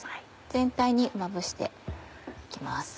全体にまぶして行きます。